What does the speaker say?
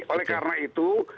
oleh karena itu